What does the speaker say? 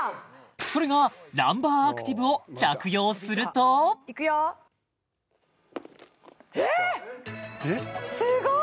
それがランバーアクティブを着用するといくよすごい！